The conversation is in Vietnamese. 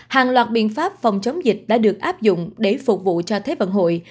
hàng loạt biện pháp phòng chống dịch đã được áp dụng để phục vụ cho thế vận hội